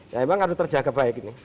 ya memang harus terjaga baik ini